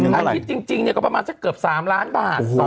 ในที่จริงเนี่ยก็ประมาณจะเกือบ๓ล้านบาท